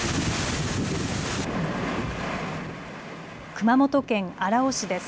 熊本県荒尾市です。